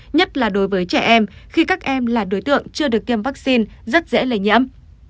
nhất là đối với trẻ em khi các em là đối tượng chưa được tiêm vaccine rất dễ lây nhiễm